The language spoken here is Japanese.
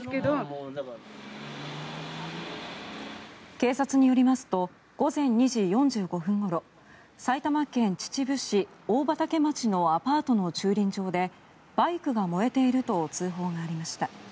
警察によりますと午前２時４５分ごろ埼玉県秩父市大畑町のアパートの駐輪場でバイクが燃えていると通報がありました。